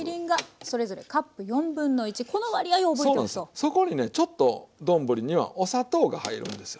そこにねちょっと丼にはお砂糖が入るんですよ。